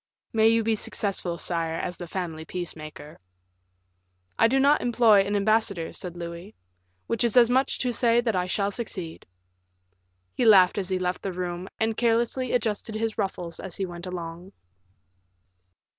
"May you be successful, sire, as the family peacemaker." "I do not employ an ambassador," said Louis, "which is as much as to say that I shall succeed." He laughed as he left the room, and carelessly adjusted his ruffles as he went along.